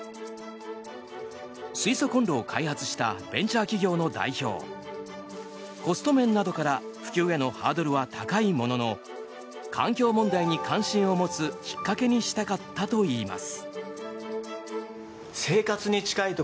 水素コンロを開発したベンチャー企業の代表コスト面などから普及へのハードルは高いものの環境問題に関心を持つきっかけにしたかったといいます。